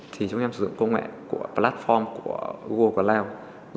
thì chúng em sử dụng công nghệ của platform của google cloud